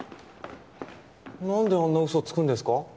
何であんな嘘つくんですか？